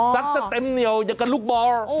จะเต็มเหนียวอย่างกับลูกบอล